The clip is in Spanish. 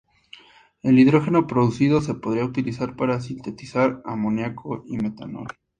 El hidrógeno producido se podría utilizar para sintetizar amoniaco y metanol.